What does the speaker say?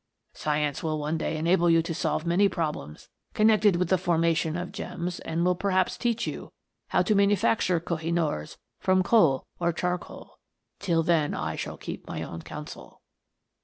Science will one day enable you to solve many problems connected with the formation of gems, and will perhaps teach you how to manufacture Koh i noors from coal or char coal. Till then I shall keep my own counsel.